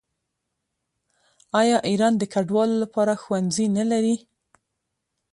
آیا ایران د کډوالو لپاره ښوونځي نلري؟